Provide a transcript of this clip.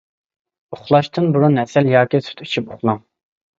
ئۇخلاشتىن بۇرۇن ھەسەل ياكى سۈت ئىچىپ ئۇخلاڭ!